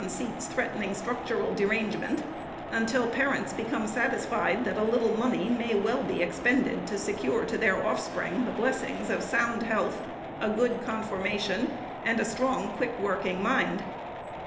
seats, threatening structural derangement, until parents become satisfied that a little money may well be expended to secure to their offspring the bless ings of sound health, a good conformation, and a strong, quick working mind.